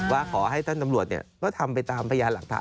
ว่าขอให้ท่านตำรวจก็ทำไปตามพยานหลักฐาน